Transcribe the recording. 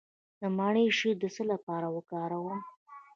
د مڼې شیره د څه لپاره وکاروم؟